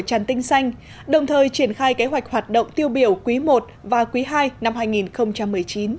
trần tinh xanh đồng thời triển khai kế hoạch hoạt động tiêu biểu quý i và quý ii năm hai nghìn một mươi chín